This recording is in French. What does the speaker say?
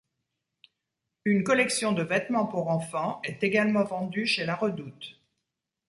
Une collection de vêtements pour enfants est également vendue chez La Redoute.